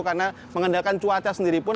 karena mengandalkan cuaca sendiri pun